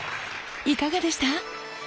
いかがでした？